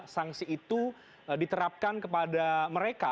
sanksi itu diterapkan kepada mereka